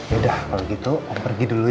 yaudah kalo gitu om pergi dulu ya